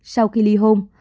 sau khi ly hôn